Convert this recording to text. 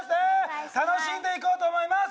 楽しんでいこうと思います！